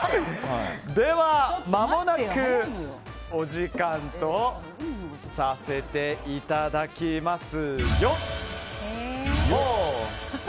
では、まもなくお時間とさせていただきます。